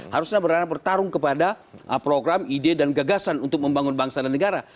harusnya berada bertarung kepada program ide dan gagasan untuk membangun bangsa dan negara